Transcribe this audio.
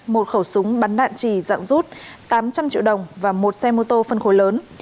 một khẩu súng bắn đạn trì dạng rút tám trăm linh triệu đồng và một xe mô tô phân khối lớn